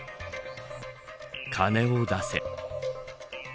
金を出せ。